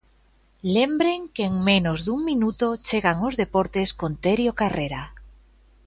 Lembren que en menos dun minuto chegan os deportes con Terio Carrera.